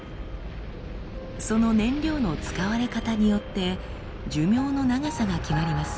その燃料の使われ方によって寿命の長さが決まります。